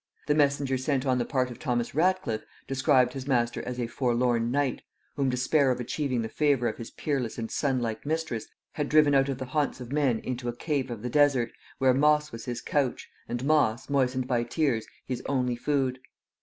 The messenger sent on the part of Thomas Ratcliff described his master as a forlorn knight, whom despair of achieving the favor of his peerless and sunlike mistress had driven out of the haunts of men into a cave of the desert, where moss was his couch, and moss, moistened by tears, his only food.